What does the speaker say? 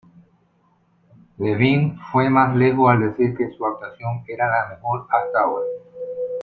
Levine fue más lejos al decir que su actuación era "la mejor hasta ahora".